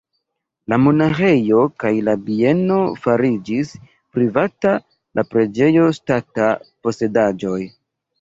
La monaĥejo kaj la bieno fariĝis privata, la preĝejo ŝtata posedaĵoj.